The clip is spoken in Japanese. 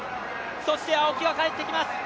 そして青木は帰ってきます。